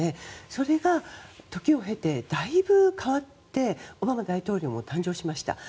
それが時を経てだいぶ変わってオバマ大統領も誕生しました。